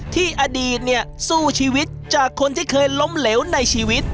ที่อดีตเนี่ยสู้ชีวิตจากคนที่เคยล้มเหลวในชีวิต